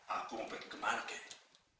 aku mau pergi kemana kay